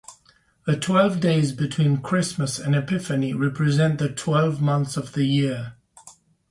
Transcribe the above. The twelve days between Christmas and Epiphany represent the twelve months of the year.